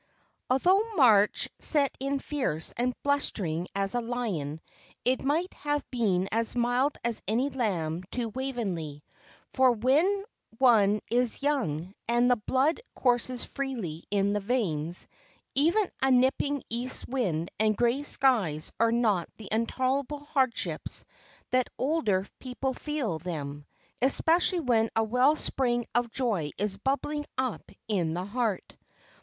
Although March set in fierce and blustering as a lion, it might have been as mild as any lamb to Waveney; for when one is young, and the blood courses freely in the veins, even a nipping east wind and grey skies are not the intolerable hardships that older people feel them, especially when a well spring of joy is bubbling up in the heart.